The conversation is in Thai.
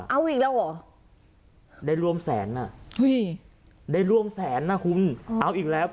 เอาอีกแล้วเหรอได้ร่วมแสนอ่ะได้ร่วมแสนนะคุณเอาอีกแล้ว